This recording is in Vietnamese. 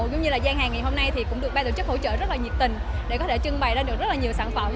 giang hàng ngày hôm nay cũng được ba tổ chức hỗ trợ rất nhiệt tình để có thể trưng bày được rất nhiều sản phẩm